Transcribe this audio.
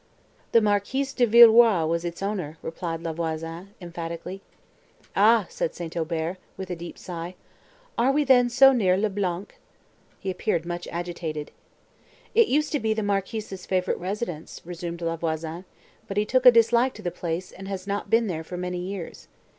"The Marquis de Villeroi was its owner," replied La Voisin, emphatically. "Ah!" said St. Aubert, with a deep sigh, "are we then so near Le Blanc!" He appeared much agitated. "It used to be the Marquis's favourite residence," resumed La Voisin, "but he took a dislike to the place, and has not been there for many years.